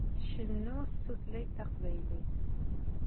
Tcennu s tutlayt taqbaylit.